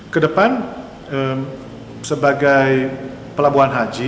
kedepan sebagai pelabuhan haji